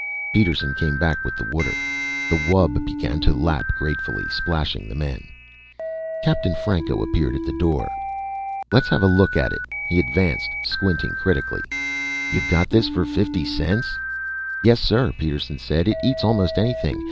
Peterson came back with the water. The wub began to lap gratefully, splashing the men. Captain Franco appeared at the door. "Let's have a look at it." He advanced, squinting critically. "You got this for fifty cents?" "Yes, sir," Peterson said. "It eats almost anything.